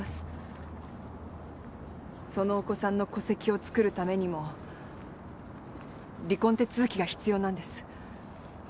そのお子さんの戸籍を作るためにも離婚手続きが必要なんです。